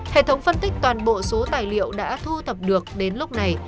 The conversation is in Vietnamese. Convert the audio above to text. hệ thống phân tích toàn bộ số tài liệu đã thu thập được đến lúc này